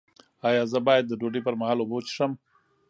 ایا زه باید د ډوډۍ پر مهال اوبه وڅښم؟